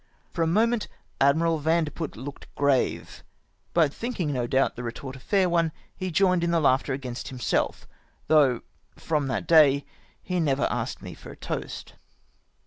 For a moment Admiral Vandeput looked grave, but thinking, no doubt, the retort a fair one, he joined in the laughter against himself; though from that day he never asked me for a toast.